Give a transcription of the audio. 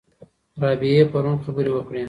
رابعه پرون خبرې وکړې.